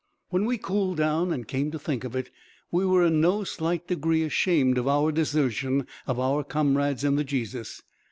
"When we cooled down and came to think of it, we were in no slight degree ashamed of our desertion of our comrades in the Jesus.